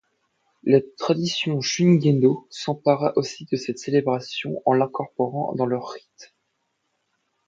La tradition Shugendō s'empara aussi de cette célébration en l'incorporant dans leurs rites.